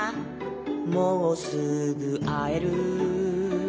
「もうすぐあえる」